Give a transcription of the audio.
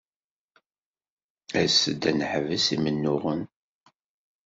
As-d ad neḥbes imennuɣen.